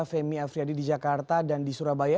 femi afriyadi di jakarta dan di surabaya